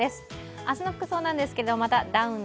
明日の服装なんですけれどもまたダウンの